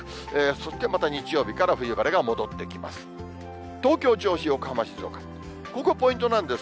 そしてまた日曜日から冬晴れが戻ってきます。